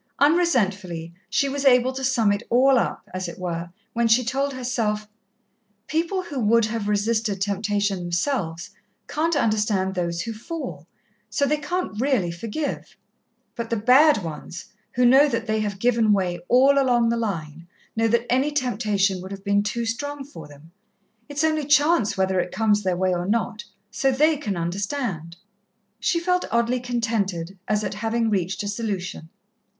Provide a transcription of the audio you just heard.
Unresentfully, she was able to sum it all up, as it were, when she told herself, "People who would have resisted temptation themselves, can't understand those who fall so they can't really forgive. But the bad ones, who know that they have given way all along the line, know that any temptation would have been too strong for them it's only chance whether it comes their way or not so they can understand." She felt oddly contented, as at having reached a solution.